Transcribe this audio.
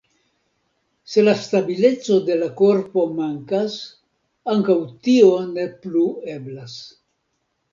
Se la stabileco de la korpo mankas, ankaŭ tio ne plu eblas.